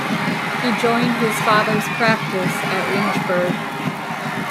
He joined his father's practice at Lynchburg.